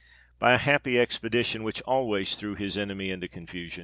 By a happy expedi tion, which always threw his enemy into confusion, 1 Du Chanq.